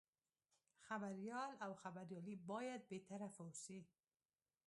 خبریال او خبریالي باید بې طرفه اوسي.